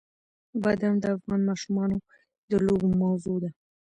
بادام د افغان ماشومانو د لوبو موضوع ده.